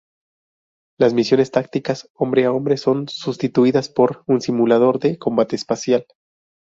Las misiones tácticas hombre a hombre son sustituidas por un simulador de combate espacial.